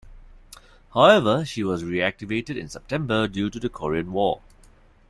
However, she was reactivated in September due to the Korean War.